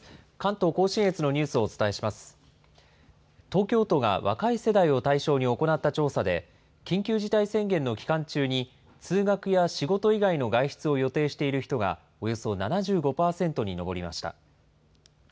東京都が若い世代を対象に行った調査で、緊急事態宣言の期間中に、通学や仕事以外の外出を予定している人がおよそ７５％に上りました。